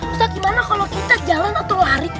ustaz gimana kalau kita jalan atau lari